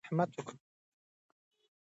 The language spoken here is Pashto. همت وکړئ او کار پیل کړئ.